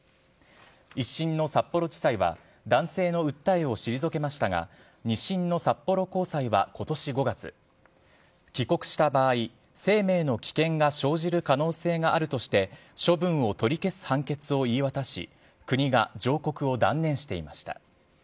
１審の札幌地裁は、男性の訴えを退けましたが、２審の札幌高裁はことし５月、帰国した場合、生命の危険が生じる可能性があるとして、処分を取り消す判決を言い渡し、国が上告を断念していました。